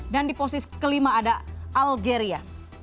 dan di posisi kelima ada algeria